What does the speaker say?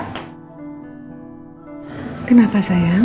hai kenapa sayang